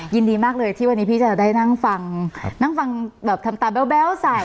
ยินดีมากเลยที่วันนี้พี่จะได้นั่งฟังนั่งฟังแบบทำตาแบ๊วใส่